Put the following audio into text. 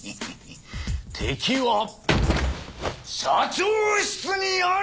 敵は社長室にあり！